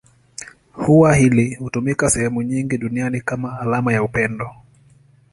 Ua hili hutumika sehemu nyingi duniani kama alama ya upendo.